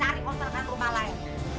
cari konterkan rumah lain